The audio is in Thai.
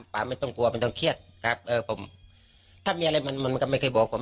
ไม่ต้องกลัวมันต้องเครียดครับเออผมถ้ามีอะไรมันมันก็ไม่เคยบอกผม